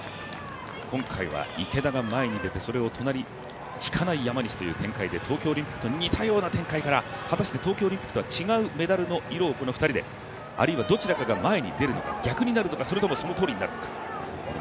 今回は池田が前に出て、それを隣、引かない山西という展開で東京オリンピックと似たような展開から果たして東京オリンピックとは違うメダルの色を２人であるいはどちらかが前に出るのか、逆になるのかそのとおりになるのか。